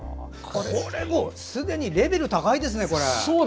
これ、もうすでにレベル高いですね。